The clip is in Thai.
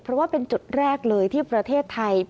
เพราะว่าเป็นจุดแรกเลยที่ประเทศไทย